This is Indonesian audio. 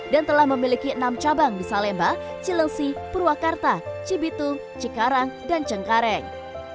dan telah memiliki enam cabang di salemba cilengsi purwakarta cibitu cikarang dan cengkareng